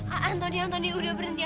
ah antoni antoni udah berhenti ya